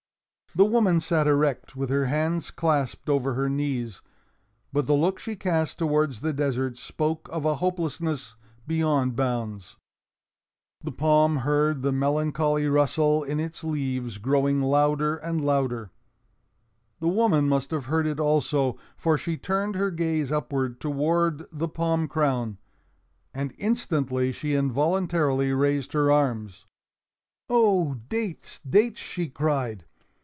The woman sat erect, with her hands clasped over her knees. But the looks she cast towards the desert spoke of a hopelessness beyond bounds. The palm heard the melancholy rustle in its leaves growing louder and louder. The woman must have heard it also, for she turned her gaze upward toward the palm crown. And instantly she involuntarily raised her arms. "Oh, dates, dates!" she cried.